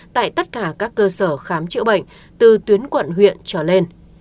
tại tất cả các cơ sở khám chữa bệnh từ tuyến quận huyện trở lên